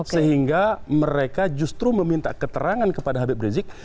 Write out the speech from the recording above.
sehingga mereka justru meminta keterangan kepada habib rizik